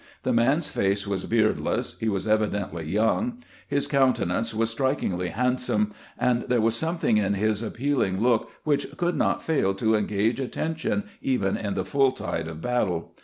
The man's face was beardless ; he was evidently young ; his coun tenance was strikingly handsome, and there was some thing in his appealing look which could not fail to engage attention, even in the full tide of battle.